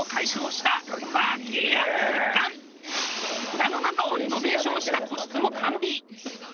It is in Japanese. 蔵の中をリノベーションした個室も完備。